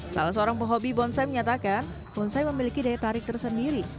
salah seorang pehobi bonsai menyatakan bonsai memiliki daya tarik tersendiri